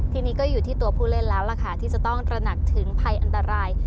ทีนี้ก็อยู่ที่ตัวผู้เล่นแล้วล่ะค่ะที่จะต้องตระหนักถึงภัยอันตราย